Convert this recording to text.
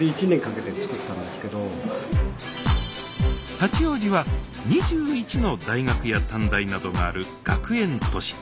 八王子は２１の大学や短大などがある学園都市。